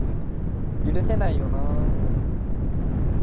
許せないよな